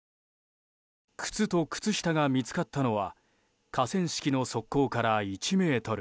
靴と靴下が見つかったのは河川敷の側溝から１ｍ。